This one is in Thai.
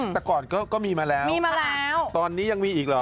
แต่ก่อนก็มีมาแล้วมีมาแล้วตอนนี้ยังมีอีกเหรอ